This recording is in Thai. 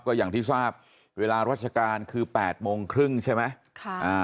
ก็อย่างที่ทราบเวลาราชการคือ๘๓๐ใช่ไหม